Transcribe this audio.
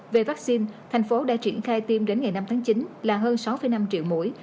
về vaccine thành phố đã triển khai tiêm đến ngày năm tháng chín là hơn sáu năm triệu mũi